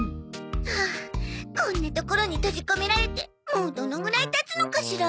ハアこんな所に閉じ込められてもうどのぐらい経つのかしら？